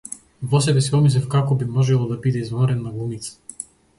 Во себе си помислив како би можела да биде извонредна глумица.